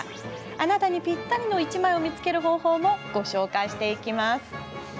あなたにぴったりの１枚を見つける方法も、ご紹介します。